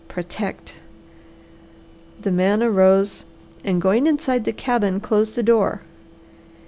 Protect!" The man arose and going inside the cabin closed the door.